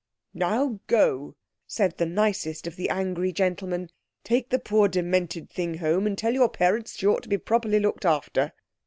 "Now go," said the nicest of the angry gentlemen. "Take the poor, demented thing home and tell your parents she ought to be properly looked after."